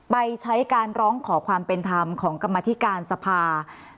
ไปใช้การร้องขอความเป็นธรรมของกรรมธิการสภา